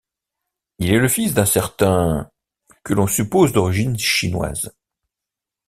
Il est le fils d'un certain que l'on suppose d'origine chinoise.